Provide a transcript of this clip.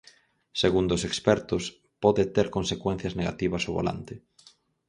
Segundo os expertos, pode ter consecuencias negativas ao volante.